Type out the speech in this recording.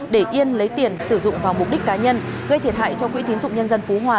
để yên lấy tiền sử dụng vào mục đích cá nhân gây thiệt hại cho quỹ tín dụng nhân dân phú hòa